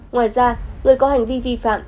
ngoài ra người có hành vi vi phạm